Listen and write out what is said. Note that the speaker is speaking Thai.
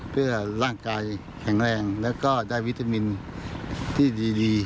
เพื่อร่างกายแข็งแรงแล้วก็ได้วิตามินที่ดี